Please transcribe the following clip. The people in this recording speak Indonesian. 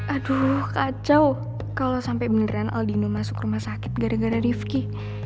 aduh kacau kalau sampai beneran aldino masuk rumah sakit gara gara rivki